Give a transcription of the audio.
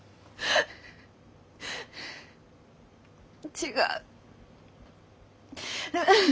違う。